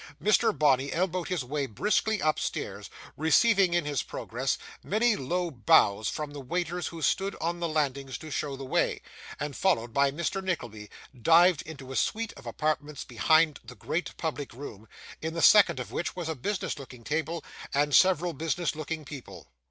Mr. Bonney elbowed his way briskly upstairs, receiving in his progress many low bows from the waiters who stood on the landings to show the way; and, followed by Mr. Nickleby, dived into a suite of apartments behind the great public room: in the second of which was a business looking table, and several business looking people.